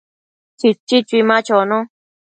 Chichi chui ma chono